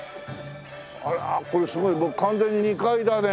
あらこれすごいもう完全に２階だね。